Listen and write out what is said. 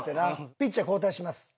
ピッチャー交代します。